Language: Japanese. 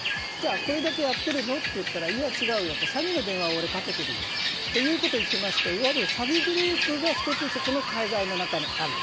これだけやってるの？と言ったらいや、違うよと詐欺の電話をかけているといっていましていわゆる詐欺グループが１つ、そこの海外の中にあると。